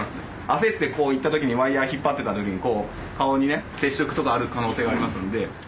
焦ってこう行った時にワイヤー引っ張ってた時に顔にね接触とかある可能性がありますんで。